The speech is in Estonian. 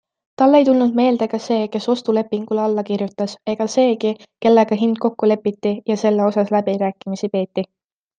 Talle ei tulnud meelde ka see, kes ostulepingule alla kirjutas ega seegi, kellega hind kokku lepiti ja selle osas läbirääkimisi peeti.